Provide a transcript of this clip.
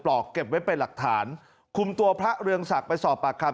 หลอกเก็บไว้เป็นหลักฐานคุมตัวพระเรืองศักดิ์ไปสอบปากคำ